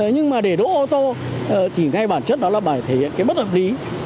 nhưng mà để đỗ ô tô thì ngay bản chất nó là bài thể hiện cái bất hợp lý